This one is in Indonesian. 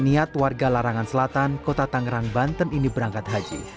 niat warga larangan selatan kota tangerang banten ini berangkat haji